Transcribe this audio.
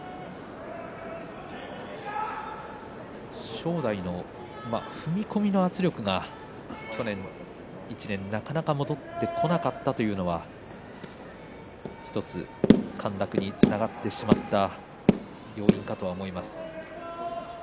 正代の踏み込みの圧力が去年１年なかなか戻ってこなかったというのは１つ陥落につながってしまった要因かと思います。